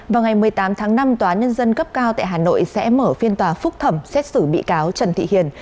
vào ngày một mươi tám tháng năm tòa nhân dân cấp cao tại hà nội sẽ mở phiên tòa phúc thẩm xét xử bị cáo trần thị hiền